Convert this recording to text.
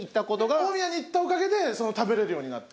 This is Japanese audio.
大宮に行ったおかげで食べれるようになって。